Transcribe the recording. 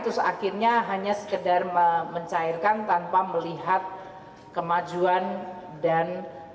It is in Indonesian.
terus akhirnya hanya sekedar mencairkan tanpa melihat kemajuan dan